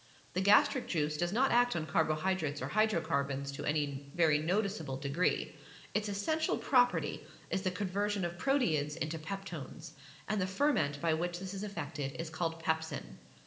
The gastric juice does not act on carbo hydrates or hydrocarbons to any very noticeable degree. Its essential property is the conversion of proteids into peptones, and the ferment by which this is effected is called pepsin.